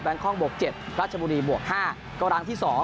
คองบวก๗ราชบุรีบวก๕ก็ร้างที่๒